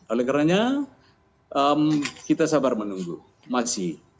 oleh karena kita sabar menunggu masih